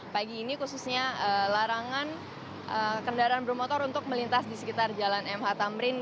pagi ini khususnya larangan kendaraan bermotor untuk melintas di sekitar jalan mh tamrin